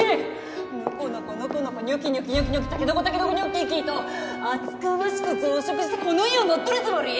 のこのこのこのこニョキニョキニョキニョキタケノコタケノコニョッキッキと厚かましく増殖してこの家を乗っ取るつもり！？